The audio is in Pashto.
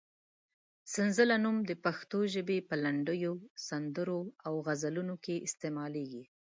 سنځله نوم د پښتو ژبې په لنډیو، سندرو او غزلونو کې استعمالېږي.